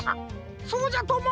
そうじゃとも。